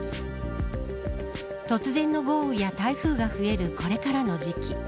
突然の豪雨や台風が増えるこれからの時期。